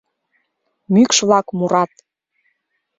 Мӱкш-влак мурат: